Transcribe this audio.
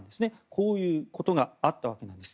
こういうことがあったわけなんです。